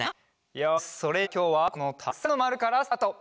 よしそれじゃあきょうはこのたくさんのまるからスタート。